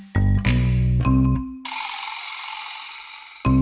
ตะแรงบันดาล